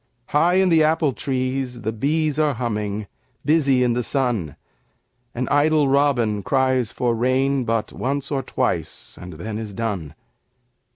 High in the apple trees the bees Are humming, busy in the sun, An idle robin cries for rain But once or twice and then is done.